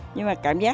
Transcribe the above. nhưng mà cảm giác